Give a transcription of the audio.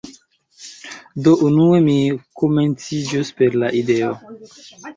Do, unue mi komenciĝos per la ideo